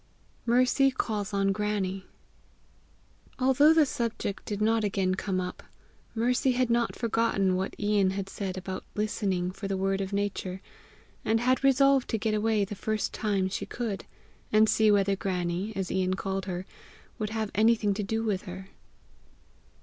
MERCY CALLS ON GRANNIE. Although the subject did not again come up, Mercy had not forgotten what Ian had said about listening for the word of Nature, and had resolved to get away the first time she could, and see whether Grannie, as Ian had called her, would have anything to do with her.